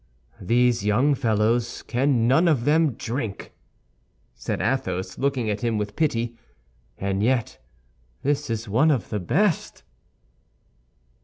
"These young fellows can none of them drink," said Athos, looking at him with pity, "and yet this is one of the best!"